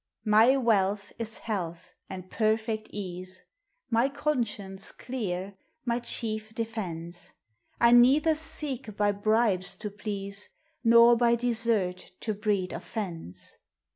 My wealth is health and perfect ease; My conscience clere my chiefe defence; I neither seeke by bribes to please, Nor by desert to breed offence.